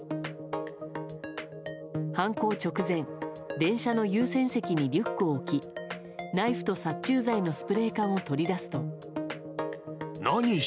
犯行直前電車の優先席にリュックを置きナイフと殺虫剤のスプレー缶を取り出すと。